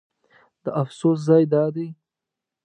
د افسوس ځای دا دی.